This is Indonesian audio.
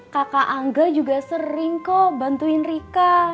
kakak angga juga sering kok bantuin rika